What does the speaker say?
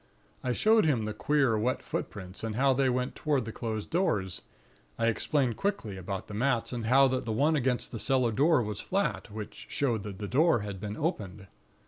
I showed him the queer, wet footprints and how they went toward the closed doors. I explained quickly about the mats, and how that the one against the cellar door was flat, which showed the door had been opened.